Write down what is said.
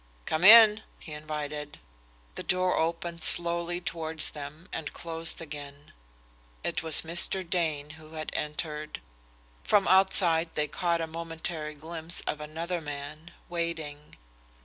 "Come in," he invited. The door opened slowly towards them and closed again. It was Mr. Dane who had entered. From outside they caught a momentary glimpse of another man, waiting.